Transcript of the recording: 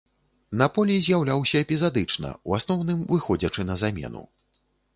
На полі з'яўляўся эпізадычна, у асноўным выходзячы на замену.